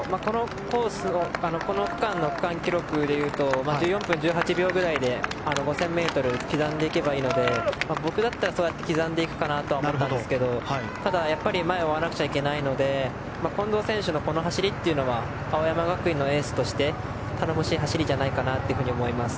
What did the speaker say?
この区間の区間記録でいうと１４分１８秒くらいで５０００ｍを刻んでいけばいいので僕だったら刻んでいくかなと思ったんですけどただ、前を追わなくちゃいけないので近藤選手のこの走りというのは青山学院のエースとして頼もしい走りじゃないかなと思います。